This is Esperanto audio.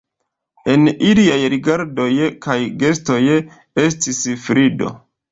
En iliaj rigardoj kaj gestoj estis frido.